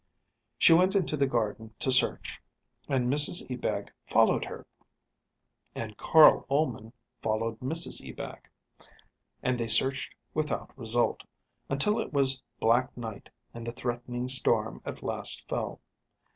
She went into the garden to search, and Mrs Ebag followed her, and Carl Ullman followed Mrs Ebag. And they searched without result, until it was black night and the threatening storm at last fell.